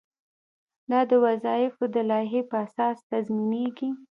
دا د وظایفو د لایحې په اساس تنظیمیږي.